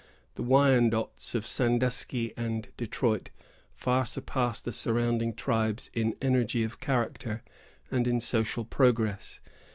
The Wyandots of Sandusky and Detroit far surpassed the surrounding tribes in energy of character and in social progress.